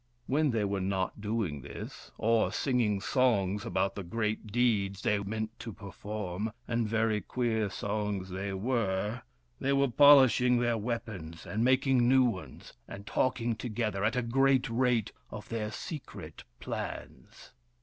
WTien they were not doing this, or singing songs about the great deeds they meant to perform — and very queer songs they were— they were polishing their weapons and making new ones, and talking together, at a great rate, of their secret plans.